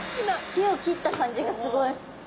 木を切った感じがすごい。